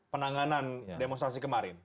penanganan demonstrasi kemarin